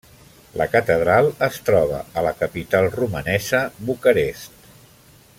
La catedral es troba a la capital romanesa, Bucarest.